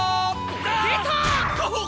出た！